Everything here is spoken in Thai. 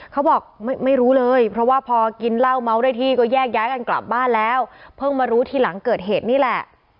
เขาบอกไม่รู้เลยเพราะว่าพอกินเหล้าเมาได้ที่ก็แยกย้ายกันกลับบ้านแล้วเพิ่งมารู้ทีหลังเกิดเหตุนี่แหละ